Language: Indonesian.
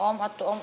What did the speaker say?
om atuh om